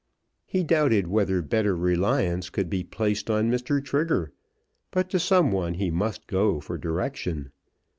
He doubted whether better reliance could be placed on Mr. Trigger; but to some one he must go for direction.